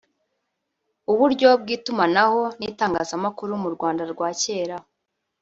uburyo bw’Itumanaho n’itangazamakuru mu Rwanda rwa Kera